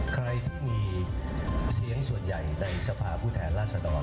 ใครที่มีเสียงส่วนใหญ่ในสภาพผู้แทนราษฎร